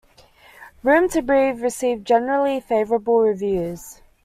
"Room to Breathe" received generally favourable reviews.